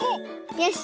よし。